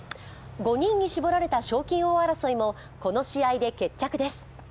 ５人に絞られた賞金王争いもこの試合で決着です。